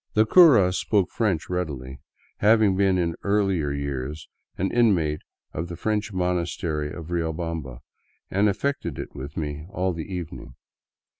The cura spoke French readily, having been in earlier years an inmate of the French monastery of Riobamba, and affected it with me all the evening.